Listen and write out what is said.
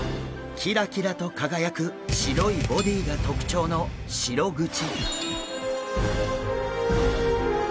キラキラと輝く白いボディーが特徴のシログチ。